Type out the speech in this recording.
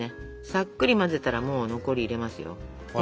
さっくり混ぜたらもう残り入れますよ。